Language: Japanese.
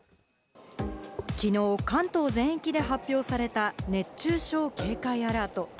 きのう関東全域で発表された熱中症警戒アラート。